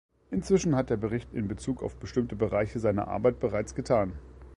Inzwischen hat der Bericht in Bezug auf bestimmte Bereiche seine Arbeit bereits getan.